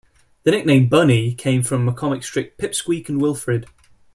The nickname "Bunny" came from a comic strip, "Pip, Squeak and Wilfred".